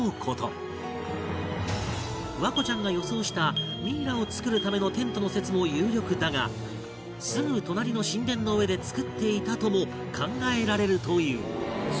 環子ちゃんが予想したミイラを作るためのテントの説も有力だがすぐ隣の神殿の上で作っていたとも考えられるという